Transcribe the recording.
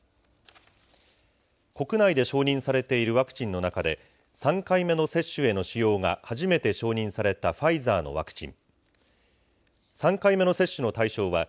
国内で承認されているワクチンの中で、３回目の接種への使用が初めて承認されたファイザーのワクチン。